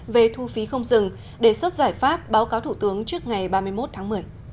về thu phí không dừng đề xuất giải pháp báo cáo thủ tướng trước ngày ba mươi một tháng một mươi